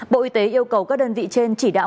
bộ y tế yêu cầu các đơn vị trên chỉ đạo